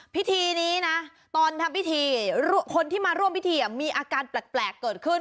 พิธีนี้นะตอนทำพิธีคนที่มาร่วมพิธีมีอาการแปลกเกิดขึ้น